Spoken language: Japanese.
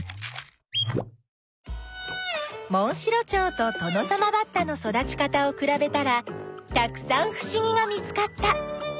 モンシロチョウとトノサマバッタの育ち方をくらべたらたくさんふしぎが見つかった。